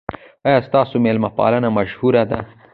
ایا ستاسو میلمه پالنه مشهوره ده؟